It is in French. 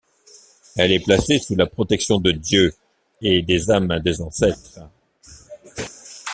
Elle est placée sous la protection de Dieu et des âmes des ancêtres.